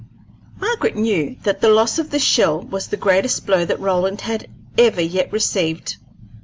Margaret knew that the loss of the shell was the greatest blow that Roland had ever yet received.